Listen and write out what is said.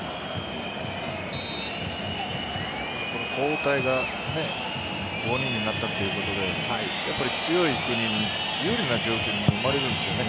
交代が５人になったということで強い国に有利な状況が生まれるんですよ。